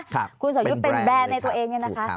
คุณสอยุทธ์เป็นแบรนด์ในตัวเองเนี่ยนะคะ